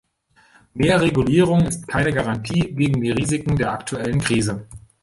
Mehr Regulierung ist keine Garantie gegen die Risiken der aktuellen Krise.